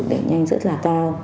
để nhanh rất là cao